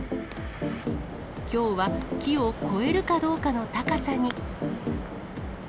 きょうは木を超えるかどうかの高さに。